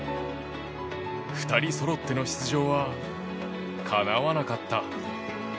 ２人そろっての出場はかなわなかった。